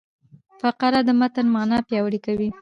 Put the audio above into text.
فقره د متن مانا پیاوړې کوي.